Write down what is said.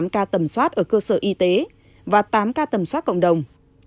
tám mươi tám ca tầm soát ở cơ sở y tế và tám ca tầm soát cộng đồng